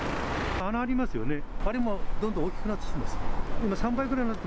穴ありますよね、あれもどんどん大きくなってきてます。